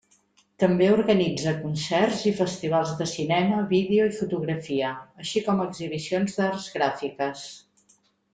També organitza concerts i festivals de cinema, vídeo i fotografia, així com exhibicions d'art gràfiques.